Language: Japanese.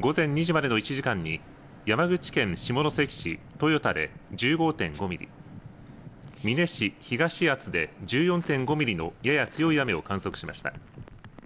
午前２時までの１時間に山口県下関市豊田で１５．５ミリ美祢市東厚保で１４．５ミリのやや強い雨を観測しました。